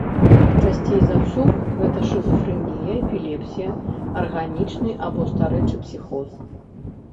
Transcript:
Часцей за ўсё гэта шызафрэнія, эпілепсія, арганічны або старэчы псіхоз.